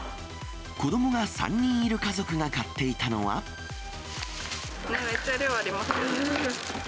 子どもが３人いる家族が買っめっちゃ量ありますよね。